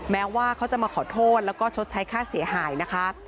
แม้ว่าเขาจะมาขอโทษแล้วก็ชดใช้ค่าเสียหายนะคะ